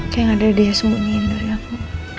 kayak gak ada dia sembunyiin dari aku